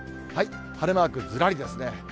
晴れマークずらりですね。